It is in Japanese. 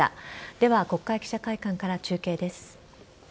では、国会記者会館から中継です。